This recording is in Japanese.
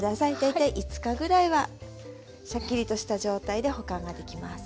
大体５日ぐらいはシャッキリとした状態で保管ができます。